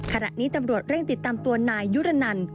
ขณะนี้ตำรวจเร่งติดตามตัวนายยุรนัน